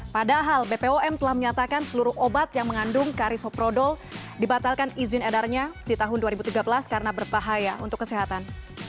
padahal bpom telah menyatakan seluruh obat yang mengandung karisoprodol dibatalkan izin edarnya di tahun dua ribu tiga belas karena berbahaya untuk kesehatan